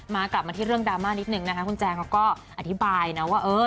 กลับมากลับมาที่เรื่องดราม่านิดนึงนะคะคุณแจงเขาก็อธิบายนะว่าเออ